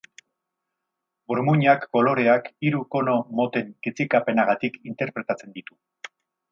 Burmuinak, koloreak, hiru kono moten kitzikapenagatik interpretatzen ditu.